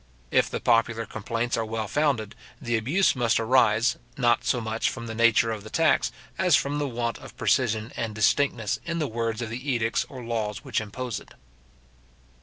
If the popular complaints are well founded, the abuse must arise, not so much from the nature of the tax as from the want of precision and distinctness in the words of the edicts or laws which impose it.